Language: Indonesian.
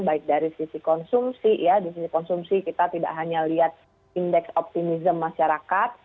baik dari sisi konsumsi ya di sisi konsumsi kita tidak hanya lihat indeks optimism masyarakat